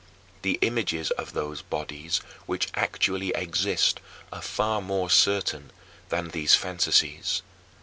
The images of those bodies which actually exist are far more certain than these fantasies.